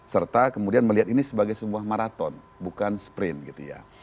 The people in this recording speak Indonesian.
serta kemudian melihat ini sebagai sebuah maraton bukan sprint gitu ya